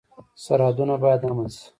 سرحدونه باید امن شي